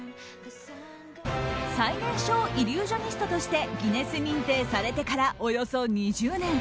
最年少イリュージョニストとしてギネス認定されてからおよそ２０年。